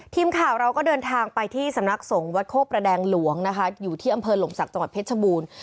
ทีมข่าวเราก็เดินทางไปที่สำนักสงฆ์วัดโคประแดงหลวงนะคะอยู่ที่อำเภอหลมศักดิ์จังหวัดเพชรบูรณ์